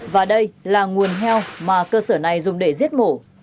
và đây là nguồn heo mà cơ sở này dùng để giết mổ